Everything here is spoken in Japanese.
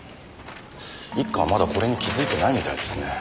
一課はまだこれに気づいてないみたいですね。